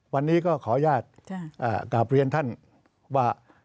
วันนี้ก็ขออนุญาตกราบเรียนท่านว่า